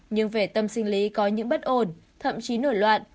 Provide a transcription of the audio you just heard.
nhưng về tâm sinh lý có những bất ổn thậm chí nổi loạn